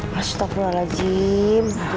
masya allah rajim